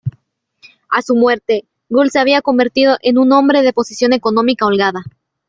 A su muerte, Gull se había convertido en un hombre de posición económica holgada.